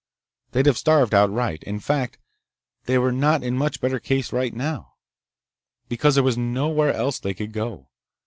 They'd have starved outright. In fact, they were in not much better case right now. Because there was nowhere else that they could go!